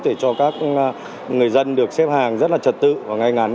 để cho các người dân được xếp hàng rất là trật tự và ngay ngắn